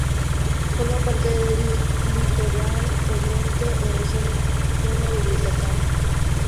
Forma parte del "Litoral Oriente" o Región I de Yucatán.